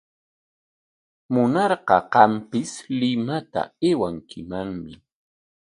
Munarqa qampis Limata aywankimanmi.